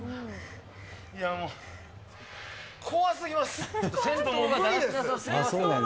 いや、もう、怖すぎます。